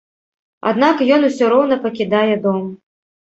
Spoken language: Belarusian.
Аднак ён усё роўна пакідае дом.